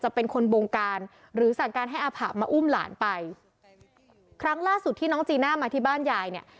เป็นคนบงการหรือสั่งการให้อาผะมาอุ้มหลานไปครั้งล่าสุดที่น้องจีน่ามาที่บ้านยายเนี่ย